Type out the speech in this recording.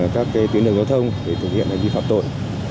các tuyến đường giao thông để thực hiện hành vi phạm tội